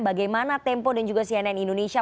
bagaimana tempo dan juga cnn indonesia